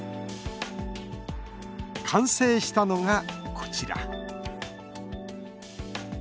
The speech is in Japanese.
完成したのが、こちら。